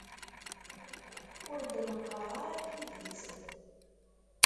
Ur d-neqqar ara tidet.